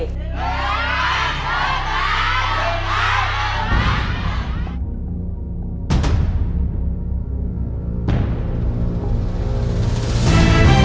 เลือกที่สองครับ